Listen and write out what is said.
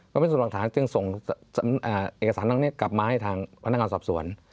พิสูจน์หลักฐานจึงส่งเอกสารทางนี้กลับมาให้ทางพนักงานสอบสวน